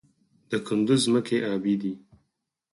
د کندز ځمکې ابي دي